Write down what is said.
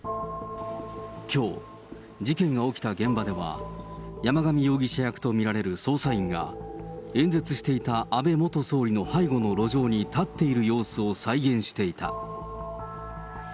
きょう、事件が起きた現場では、山上容疑者役と見られる捜査員が、演説していた安倍元総理の背後の路上に立っている様子を再現していた。